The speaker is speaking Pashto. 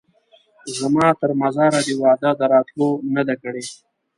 زما تر مزاره دي وعده د راتلو نه ده کړې